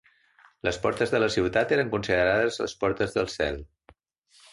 Les portes de la ciutat eren considerades les portes del cel.